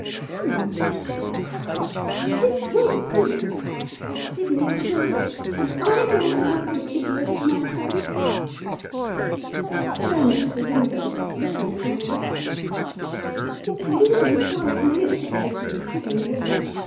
'Come!' I cried. 'This won't do! As Sydney would phrase it, am I going to make an idiot of myself?' I turned to the window, looking at my watch. 'It's more than five minutes ago since Sydney went.